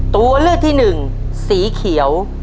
ตัวเลือกที่หนึ่งสีเขียว